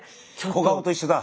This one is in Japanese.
小顔と一緒だ。